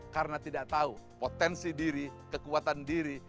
karena tidak tahu potensi diri kekuatan diri